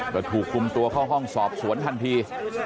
ก็ถูกคุมตัวเข้าห้องสอบสวนทันที